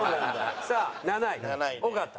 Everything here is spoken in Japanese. さあ７位尾形。